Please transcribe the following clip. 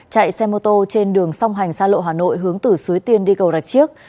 chạy xe mô tô trên đường song hành xa lộ hà nội hướng từ suối tiên đi cầu rạch chiếc